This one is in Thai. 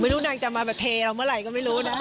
นางจะมาแบบเทเราเมื่อไหร่ก็ไม่รู้นะ